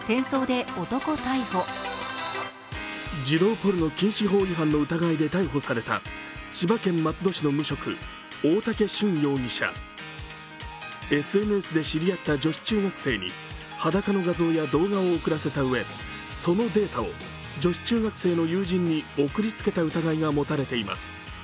自動ポルノ禁止法違反の疑いで逮捕された千葉県松戸市の無職大竹隼容疑者ＳＮＳで知り合った女子中学生に裸の画像や動画を送らせたうえそのデータを女子中学生の友人に送りつけた疑いが持たれています。